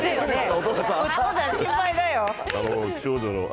お父さん心配だよ。